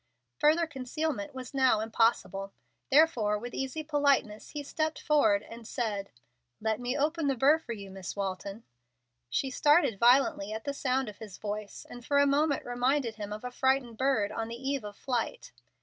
Further concealment was now impossible. Therefore with easy politeness he stepped forward and said: "Let me open the burr for you, Miss Walton." She started violently at the sound of his voice, and for a moment reminded him of a frightened bird on the eve of flight.